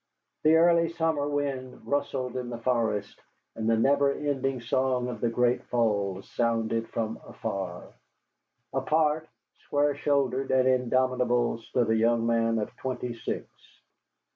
The early summer wind rustled in the forest, and the never ending song of the Great Falls sounded from afar. Apart, square shouldered and indomitable, stood a young man of twenty six.